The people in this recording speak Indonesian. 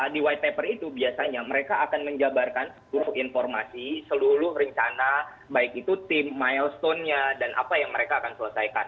di white paper itu biasanya mereka akan menjabarkan seluruh informasi seluruh rencana baik itu tim milestone nya dan apa yang mereka akan selesaikan